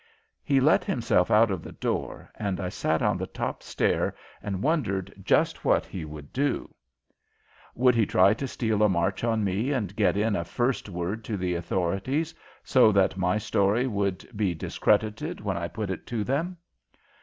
He let himself out of the door and I sat on the top stair and wondered just what he would do. Would he try to steal a march on me and get in a first word to the authorities, so that my story would be discredited when I put it to them?